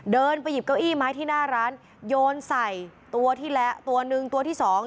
เดินไปหยิบเก้าอี้ไม้ที่หน้าร้านโยนใส่ตัวที่แล้วตัวหนึ่งตัวที่สอง